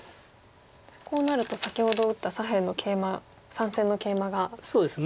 こうなると先ほど打った左辺のケイマ３線のケイマが白生きてきますか。